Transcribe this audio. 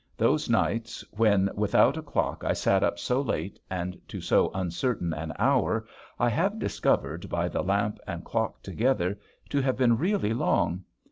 Those nights when without a clock I sat up so late and to so uncertain an hour I have discovered by the lamp and clock together to have been really long.